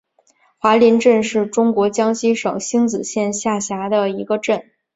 华林镇是中国江西省星子县下辖的一个镇。